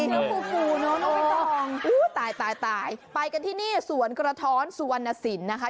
น้องฟูฟูน้องน้องไม่ต้องอุ้ยตายตายไปกันที่นี่สวนกระท้อนสุวรรณสินนะคะ